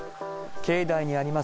境内にあります